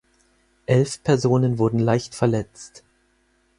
Elf Personen wurden leicht verletzt.